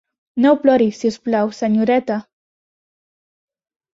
No plori, si us plau, senyoreta!